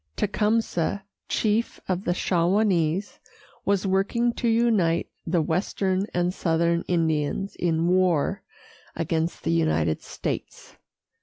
Tecumseh, chief of the Shawanese, was working to unite the western and southern Indians in war against the United States.